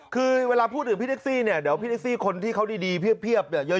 คือเวลาพูดถึงพี่แท็กซี่เนี่ยเดี๋ยวพี่แท็กซี่คนที่เขาดีเพียบเนี่ยเยอะ